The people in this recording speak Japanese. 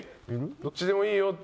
どっちでもいいよって。